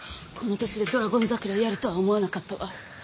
この年でドラゴン桜やるとは思わなかったわ。